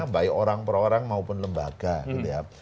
baik orang per orang maupun lembaga gitu ya